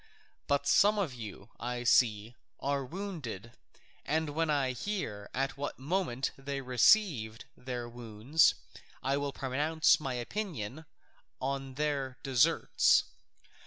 But some of you, I see, are wounded, and when I hear at what moment they received their wounds I will pronounce my opinion on their deserts.